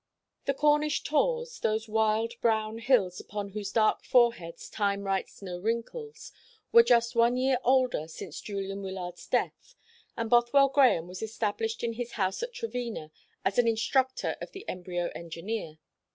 The Cornish tors, those wild brown hills upon whose dark foreheads time writes no wrinkles, were just one year older since Julian Wyllard's death, and Bothwell Grahame was established in his house at Trevena as an instructor of the embryo Engineer.